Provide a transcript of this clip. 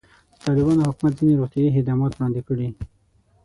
د طالبانو حکومت ځینې روغتیایي خدمات وړاندې کړي.